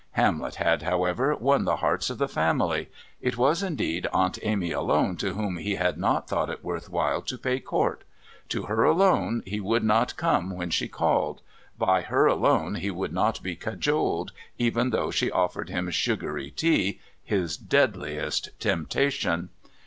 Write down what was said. Hamlet had, however, won the hearts of the family; it was, indeed, Aunt Amy alone to whom he had not thought it worth while to pay court. To her alone he would not come when she called, by her alone he would not be cajoled, even though she offered him sugary tea, his deadliest temptation.